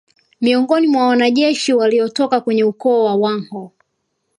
Miongoni mwa wanajeshi walitoka kwenye ukoo wa Wanghoo